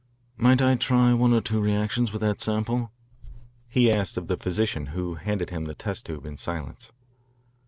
"Might I try one or two reactions with that sample?" he asked of the physician who handed him the test tube in silence.